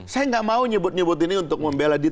saya gak mau nyebut nyebut ini untuk membela di